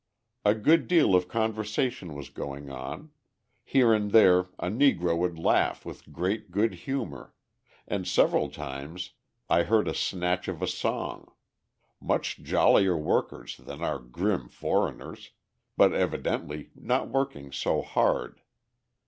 A good deal of conversation was going on, here and there a Negro would laugh with great good humour, and several times I heard a snatch of a song: much jollier workers than our grim foreigners, but evidently not working so hard.